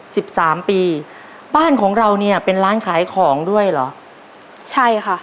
สิบสามปีบ้านของเราเนี้ยเป็นร้านขายของด้วยเหรอใช่ค่ะ